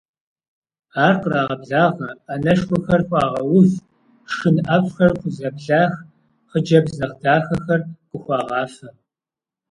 Ар кърагъэблагъэ, ӏэнэшхуэхэр хуагъэув, шхын ӏэфӏхэр хузэблах, хъыджэбз нэхъ дахэхэр къыхуагъафэ.